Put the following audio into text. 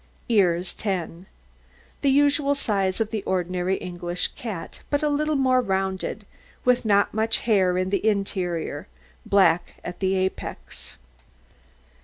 EARS 10 The usual size of the ordinary English cat, but a little more rounded, with not much hair in the interior, black at the apex.